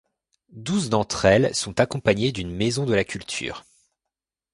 Douze d'entre elles sont accompagnées d'une maison de la culture.